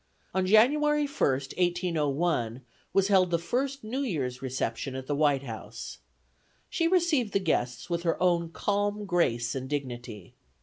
On January 1st, 1801, was held the first New Year's reception at the White House. She received the guests with her own calm grace and dignity.